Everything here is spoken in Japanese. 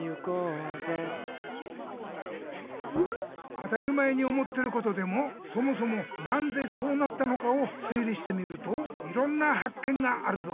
当たり前に思ってることでもそもそもなんでそうなったのかを推理してみるといろんな発見があるぞ！